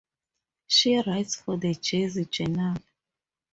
She writes for the Jersey Journal.